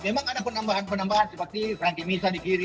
memang ada penambahan penambahan seperti ranking misa di kiri